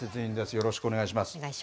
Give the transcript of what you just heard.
よろしくお願いします。